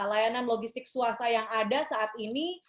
layanan logistik swasta yang ada saat ini